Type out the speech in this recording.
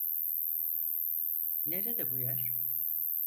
Nerede bu yer?